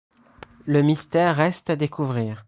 Le mystère reste à découvrir.